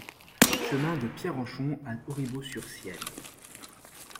Chemin de Pierrenchon à Auribeau-sur-Siagne